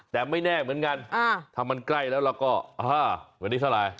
แต่ไม่แน่เหมือนกันถ้ามันใกล้แล้วเราก็วันนี้เท่าไร